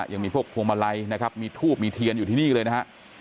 ยังมีพวกพวงมาลัยนะครับมีทูบมีเทียนอยู่ที่นี่เลยนะฮะ